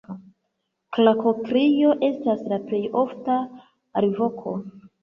Klakokrio estas la plej ofta alvoko.